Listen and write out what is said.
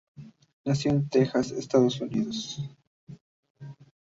Nació en Texas, Estados Unidos.